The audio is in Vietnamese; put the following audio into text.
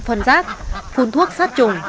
phân rác phun thuốc sát trùng